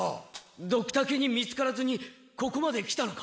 ドクタケに見つからずにここまで来たのか？